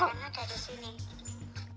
jangan ada di sini